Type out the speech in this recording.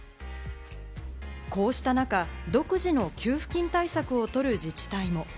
こうした中、独自の給付金対策を取る自治体も。